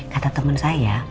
kata teman saya